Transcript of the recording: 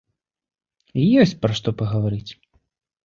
Ёсць пра што пагаварыць!